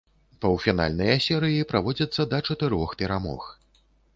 Паўфінальныя серыі праводзяцца да чатырох перамог.